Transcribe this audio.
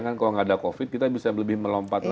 kan kalau nggak ada covid kita bisa lebih melompat lagi